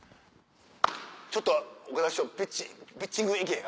ちょっと岡田師匠ピッチング行けへん？